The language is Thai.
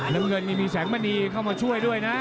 น้ำเงินนี่มีแสงมณีเข้ามาช่วยด้วยนะ